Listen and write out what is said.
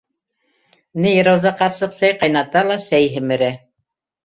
Ней Рауза ҡарсыҡ сәй ҡайната ла сәй һемерә...